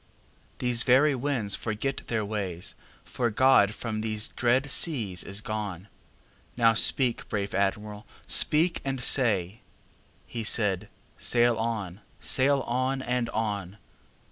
These very winds forget their way, For God from these dread seas is gone. Now speak, brave Admiral, speak and say"—He said: "Sail on! sail on! and on!"